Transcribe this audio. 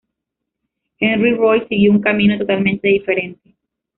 Henry Royce siguió un camino totalmente diferente.